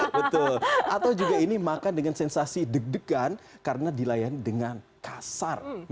betul atau juga ini makan dengan sensasi deg degan karena dilayani dengan kasar